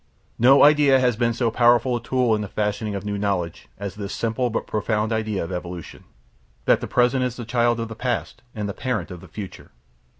No idea has been so powerful a tool in the fashioning of New Knowledge as this simple but profound idea of Evolution, that the present is the child of the past and the parent of the future.